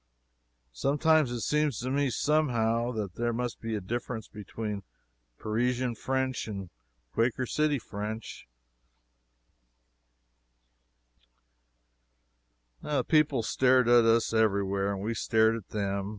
Sometimes it seems to me, somehow, that there must be a difference between Parisian French and __Quaker City__ French. The people stared at us every where, and we stared at them.